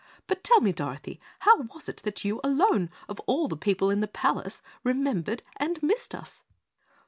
But tell me, Dorothy, how was it that you alone, of all the people in the palace, remembered and missed us?"